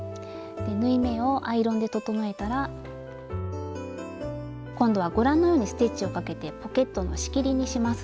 で縫い目をアイロンで整えたら今度はご覧のようにステッチをかけてポケットの仕切りにします。